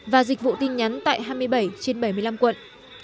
và dịch vụ tin nhắn tại hai mươi bảy trên bảy mươi năm quận